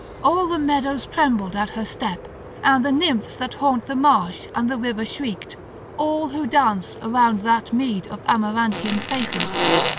All the meadows trembled at her step; and the nymphs that haunt the marsh and the river shrieked, all who dance round that mead of Amarantian Phasis.